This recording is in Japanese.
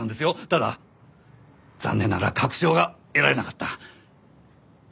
ただ残念ながら確証が得られなかった。